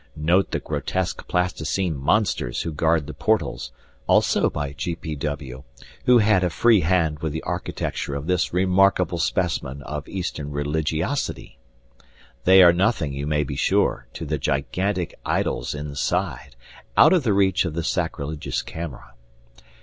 Note the grotesque plasticine monsters who guard the portals, also by G. P. W., who had a free hand with the architecture of this remarkable specimen of eastern religiosity. They are nothing, you may be sure, to the gigantic idols inside, out of the reach of the sacrilegious camera.